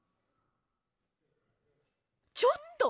ちょっと！